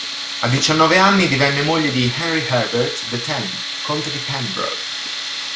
A diciannove anni divenne moglie di Henry Herbert, X conte di Pembroke.